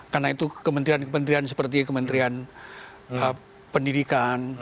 karena itu kementerian kementerian seperti kementerian pendidikan